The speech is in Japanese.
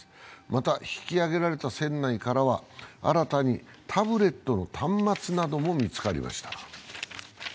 また引き揚げられた船内からは、新たにタブレットの端末なども見つかりました。